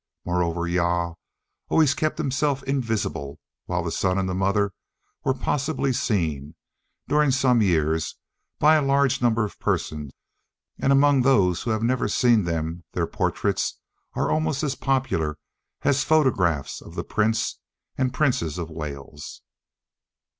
Moreover, Jah always kept himself invisible, while the son and mother were possibly seen, during some years, by a large number of persons; and among those who have never seen them their portraits are almost as popular as photographs of the Prince and Princess of Wales.